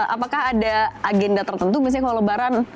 apakah ada agenda tertentu misalnya kalau lebaran